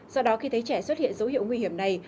do đó khi thấy trẻ xuất hiện dấu hiệu nguy hiểm này